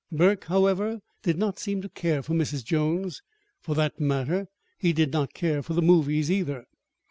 Burke, however, did not seem to care for Mrs. Jones. For that matter, he did not care for the movies, either.